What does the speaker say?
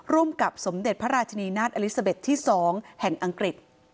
กับสมเด็จพระราชนีนาฏอลิซาเบ็ดที่๒แห่งอังกฤษ